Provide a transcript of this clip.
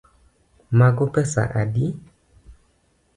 Mago pesa adi?